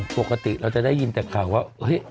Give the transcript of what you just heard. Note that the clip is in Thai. ปกติเราจะได้ยินแต่ข่าวว่า